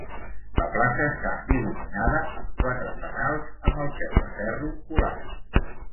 La plaça està il·luminada amb quatre fanals amb el peu de ferro colat.